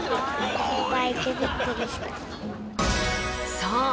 そう！